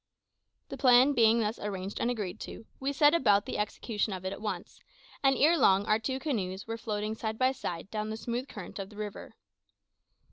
The plan being thus arranged and agreed to, we set about the execution of it at once, and ere long our two canoes were floating side by side down the smooth current of the river.